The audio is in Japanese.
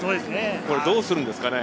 これ、どうするんですかね？